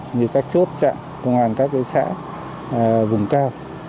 như các chốt chặn công an các xã vùng cao